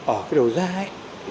ở cái đầu ra ấy